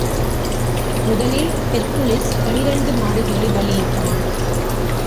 முதலில் ஹெர்க்குலிஸ் பன்னிரண்டு மாடுகளைப் பலியிட்டான்.